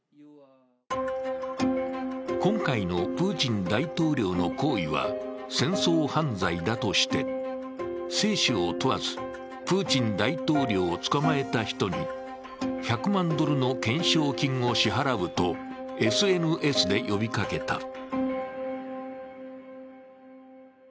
今回のプーチン大統領の行為は戦争犯罪だとして生死を問わずプーチン大統領を捕まえた人に１００万ドルの懸賞金を支払うとＳＮＳで呼びかけた。